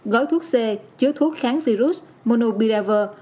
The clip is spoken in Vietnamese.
gói thuốc c chứa thuốc kháng virus monopiravir